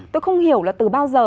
tôi không hiểu là từ bao giờ